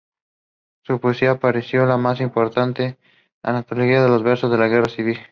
A third shot struck an occupied car.